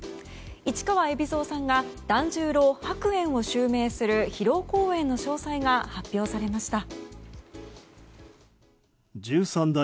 市川海老蔵さんが團十郎白猿を襲名する披露公演の詳細が公表されました。